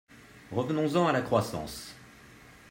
Revenons-en à la croissance.